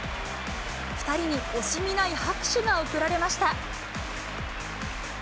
２人に惜しみない拍手が送られました。